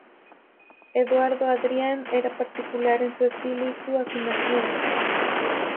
Eduardo Adrián era particular en su estilo y su afinación.